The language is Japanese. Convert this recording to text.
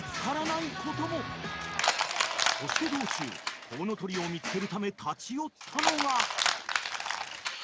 ［そして道中コウノトリを見つけるため立ち寄ったのが］